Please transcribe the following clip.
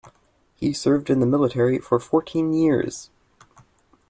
He served in the military for fourteen years.